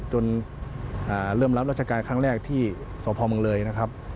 จนเริ่มรับราชการครั้งแรกที่สพเมืองเลยนะครับ